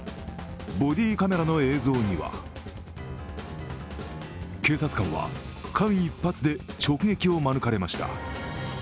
ボディーカメラの映像には警察官は間一髪で直撃を免れました。